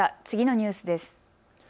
次のニュースです。